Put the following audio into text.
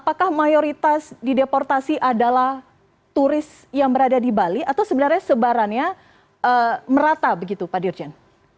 apakah mayoritas dideportasi adalah turis yang berada di bali atau sebenarnya sebarannya merata begitu pak dirjen